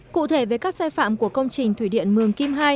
cụ thể về các sai phạm của công trình thủy điện mường kim hai